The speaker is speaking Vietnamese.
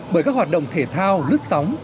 bởi các hoạt động thể thao lướt sóng